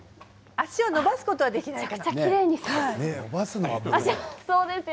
足を伸ばすことはできないかな。